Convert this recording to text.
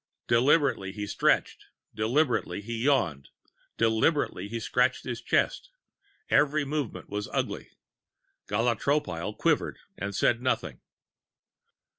Deliberately he stretched, deliberately he yawned, deliberately he scratched his chest. Every movement was ugly. Gala Tropile quivered, but said nothing.